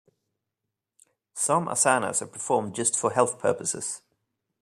Some asanas are performed just for health purposes.